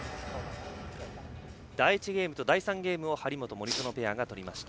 第１ゲームと第３ゲームを張本、森薗ペアが取りました。